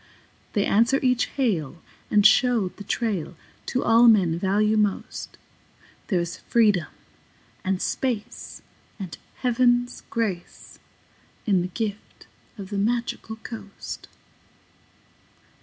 They answer each hail and show the trail To all men value most. There is freedom and space and Heaven's grace In the gift of the Magical Coast.